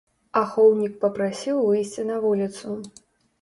Ахоўнік папрасіў выйсці на вуліцу.